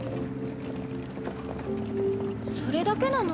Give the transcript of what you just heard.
それだけなの？